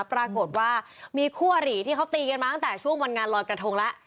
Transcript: ปรากฏว่ามีคู่อริที่เขาตีกันมาตั้งแต่ช่วงวันงานลอยกระทงแล้ว